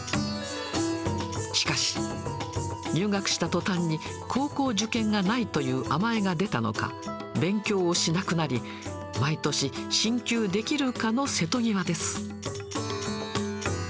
しかし、入学したとたんに、高校受験がないという甘えが出たのか、勉強をしなくなり、毎年、進級できるかの瀬戸際です。